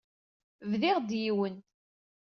Bdiɣ-d yiwen.